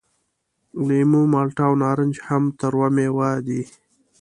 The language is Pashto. لیمو، مالټه او نارنج هم تروه میوې دي.